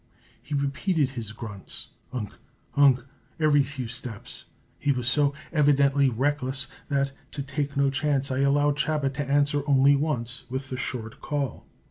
He repeated his grunts, ungh! ungh! every few steps. He was so evidently reckless that, to take no chance, I allowed Chabot to answer only once with the short call.